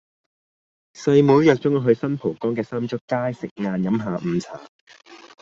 細妹約左我去新蒲崗嘅三祝街食晏飲下午茶